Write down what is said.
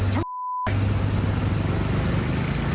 ชัก